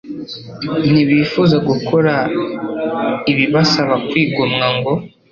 Ntibifuza gukora ibibasaba kwigomwa ngo